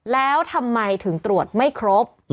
แล้วทำไมถึงตรวจไม่ครบ